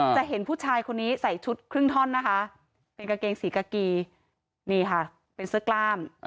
จะเห็นผู้ชายคนนี้ใส่ชุดครึ่งท่อนนะคะเป็นกางเกงสีกากีนี่ค่ะเป็นเสื้อกล้าม